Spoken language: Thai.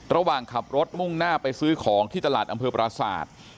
ระหว่างขับรถมุ่งหน้าไปซื้อของที่ตลาดอำเภอปราศาสตร์